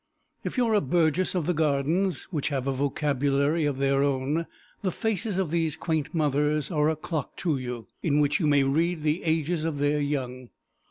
If you are a burgess of the gardens (which have a vocabulary of their own), the faces of these quaint mothers are a clock to you, in which you may read the ages of their young.